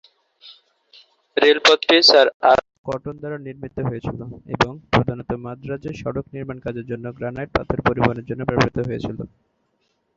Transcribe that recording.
রেলপথটি sir Arthur Cotton দ্বারা নির্মিত হয়েছিল এবং প্রধানত মাদ্রাজে সড়ক নির্মাণ কাজের জন্য গ্রানাইট পাথর পরিবহনের জন্য ব্যবহূত হয়েছিল।